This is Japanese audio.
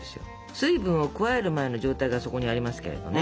水分を加える前の状態がそこにありますけれどね。